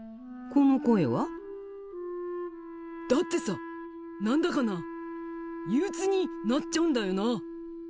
この声は？だってさ何だかなあ憂鬱になっちゃうんだよな。